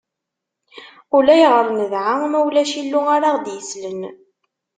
Ulayɣer nedɛa ma ulac illu ara ɣ-d-yeslen.